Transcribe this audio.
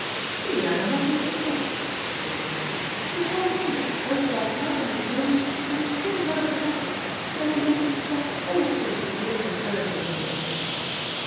"Really, I know nothing of the sort," she remarked. "Your whole conduct, both last night and this morning, has been so melodramatic, that I begin to suspect all sorts of latent virtues in you."